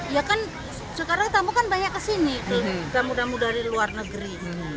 ya kan sekarang tamu kan banyak kesini tamu tamu dari luar negeri